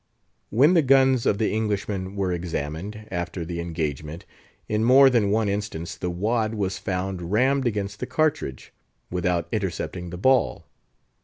When the guns of the Englishman were examined, after the engagement, in more than one instance the wad was found rammed against the cartridge, without intercepting the ball.